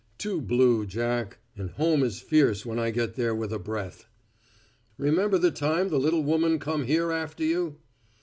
"Too blue, Jack, and home is fierce when I get there with a breath." "Remember the time the little woman come here after you?"